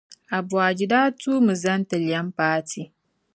Aboagye daa tuumi n-zani ti lɛm paati.